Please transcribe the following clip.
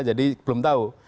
jadi belum tahu